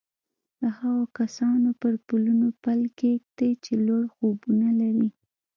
د هغو کسانو پر پلونو پل کېږدئ چې لوړ خوبونه لري